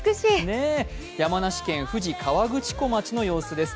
山梨県富士河口湖町の様子です。